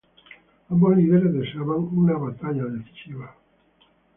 Ambos líderes deseaban una batalla decisiva.